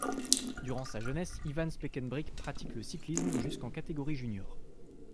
Durant sa jeunesse, Iwan Spekenbrink pratique le cyclisme jusqu'en catégorie junior.